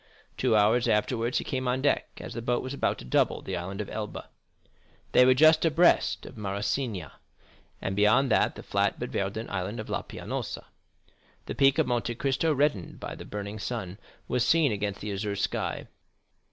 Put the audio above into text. Two hours afterwards he came on deck, as the boat was about to double the Island of Elba. They were just abreast of Mareciana, and beyond the flat but verdant Island of La Pianosa. The peak of Monte Cristo reddened by the burning sun, was seen against the azure sky.